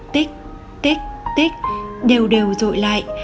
tích tích tích đều đều rội lại